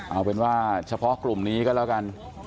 เอาเป็นว่าเฉพาะกลุ่มนี้ก็แล้วกัน